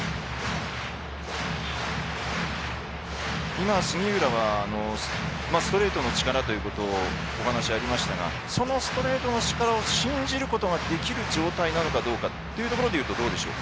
今、杉浦はストレートの力ということでお話がありましたがそのストレートの力を信じることができる状態なのかどうかというところでいうとどうでしょうか。